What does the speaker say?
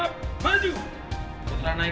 lepas naik lagi naik